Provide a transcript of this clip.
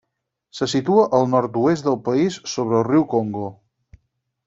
Se situa al nord-oest del país, sobre el riu Congo.